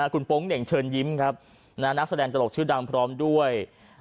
คุณโป๊งเหน่งเชิญยิ้มครับนักแสดงตลกชื่อดังพร้อมด้วย